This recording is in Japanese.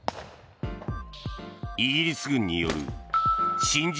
イギリス軍による新人